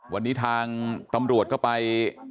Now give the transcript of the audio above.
วันนี้ทางตำรวจก็ไป